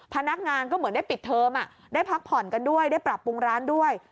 พนักงานก็เหมือนได้ปิดเทอมได้พักผ่อนกันด้วยได้ปรับปรุงร้านด้วย